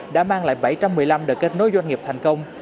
đã mang lại bảy trăm một mươi năm đợt kết nối doanh nghiệp thành công